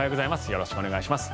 よろしくお願いします。